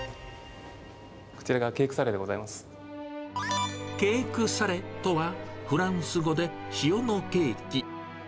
こちらがケークサレでございケークサレとは、フランス語で塩のケーキ。